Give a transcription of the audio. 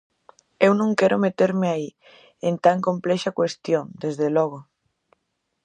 Eu non quero meterme aquí en tan complexa cuestión, desde logo.